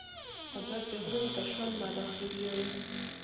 قدرت د غرونو تر شا لمر راخیژوي.